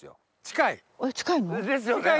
近い！ですよね！